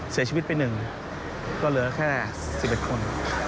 เสียชีวิตไป๑ก็เหลือแค่๑๑คน